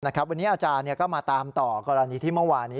วันนี้อาจารย์ก็มาตามต่อกรณีที่เมื่อวานี้